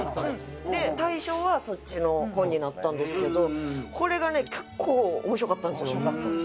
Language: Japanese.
大賞はそっちの本になったんですけどこれがね結構面白かったんですよ。